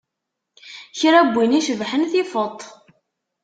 Kra n win i cebḥen tifeḍ-t.